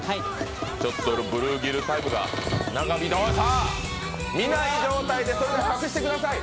ちょっとブルーギルタイムが長めで見ない状態で、それでは隠してください。